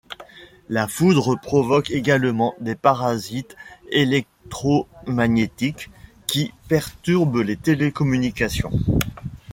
La foudre provoque également des parasites électromagnétiques qui perturbent les télécommunications.